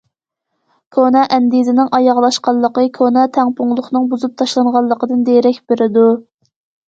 كونا ئەندىزىنىڭ ئاياغلاشقانلىقى، كونا تەڭپۇڭلۇقنىڭ بۇزۇپ تاشلانغانلىقىدىن دېرەك بېرىدۇ.